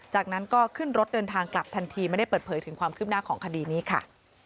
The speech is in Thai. จากนั้นก็ขึ้นรถเดินทางกลับทันทีไม่ได้เปิดเผยถึงความคืบหน้าของคดีนี้ค่ะ